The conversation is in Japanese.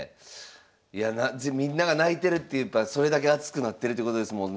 いやみんなが泣いてるってやっぱそれだけ熱くなってるってことですもんね。